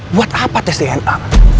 buat apa tes dna